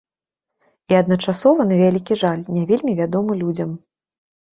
І адначасова, на вялікі жаль, не вельмі вядомы людзям.